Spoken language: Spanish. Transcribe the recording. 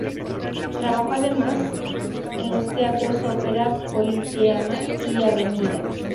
Trabajó además en los teatros Ópera, Politeama y Avenida.